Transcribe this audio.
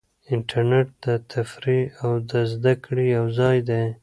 انټرنیټ د تفریح او زده کړې یو ځای دی.